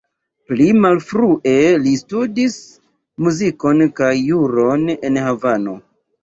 Pli malfrue li studis muzikon kaj juron en Havano.